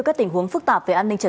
và phụ huynh học sinh